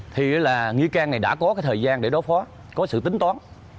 thì là nghi can này đã có cái thời gian để đối phó có sự tính toán